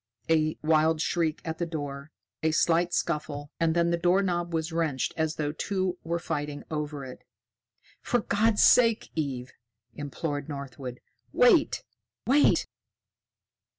A wild shriek at the door, a slight scuffle, and then the doorknob was wrenched as though two were fighting over it. "For God's sake, Eve!" implored Northwood. "Wait! Wait!"